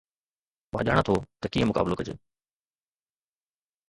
مان ڄاڻان ٿو ته ڪيئن مقابلو ڪجي